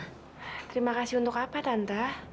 terima kasih untuk apa tanta